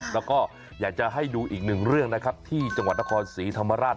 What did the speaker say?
แล้วก็อยากจะให้ดูอีกหนึ่งเรื่องนะครับที่จังหวัดนครศรีธรรมราช